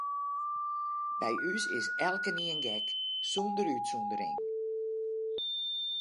By ús is elkenien gek, sûnder útsûndering.